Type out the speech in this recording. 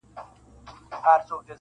o ته راته وعده خپل د کرم راکه,